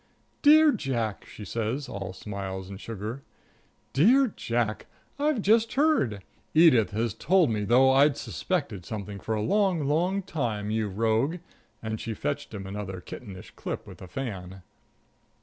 "Dear Jack," she says, all smiles and sugar; "dear Jack, I've just heard. Edith has told me, though I'd suspected something for a long, long time, you rogue," and she fetched him another kittenish clip with the fan.